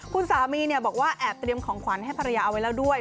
คุณสามีบอกว่าแอบเตรียมของขวัญให้ภรรยาเอาไว้แล้วด้วย